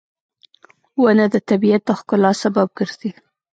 • ونه د طبیعت د ښکلا سبب ګرځي.